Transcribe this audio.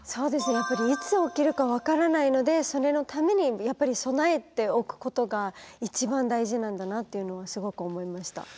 やっぱりいつ起きるか分からないのでそれのためにやっぱり備えておくことが一番大事なんだなっていうのはすごく思いました。